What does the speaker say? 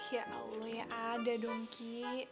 ya allah ya ada dong ki